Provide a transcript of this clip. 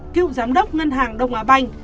cựu giám đốc ngân hàng đông á banh